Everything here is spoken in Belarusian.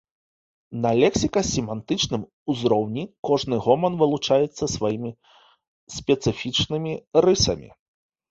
На лексіка-семантычным узроўні кожны гоман вылучаецца сваімі спецыфічнымі рысамі.